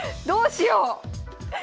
どうしよう！